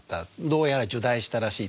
どうやら入内したらしい。